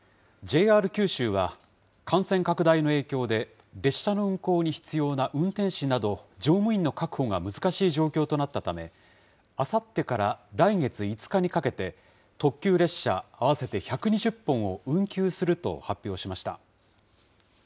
ＪＲ九州は、感染拡大の影響で、列車の運行に必要な運転士など乗務員の確保が難しい状況となったため、あさってから来月５日にかけて、特急列車合わせて１２０本を運休すると発表しました。